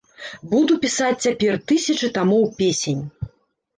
Буду пісаць цяпер тысячы тамоў песень.